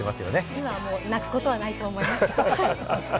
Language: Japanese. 今は泣くことはないと思います。